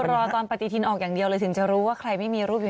รอตอนปฏิทินออกอันอย่างเดียวเลยถึงจะรู้ว่ามีรูปรัง